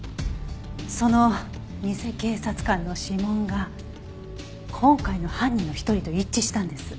その偽警察官の指紋が今回の犯人の一人と一致したんです。